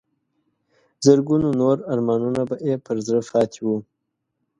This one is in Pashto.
زرګونو نور ارمانونه به یې پر زړه پاتې وو.